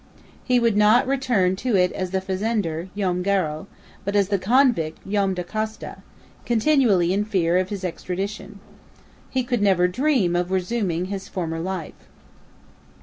He would not return to it as the fazender, Joam Garral, but as the convict, Joam Dacosta, continually in fear of his extradition. He could never dream of resuming his former life.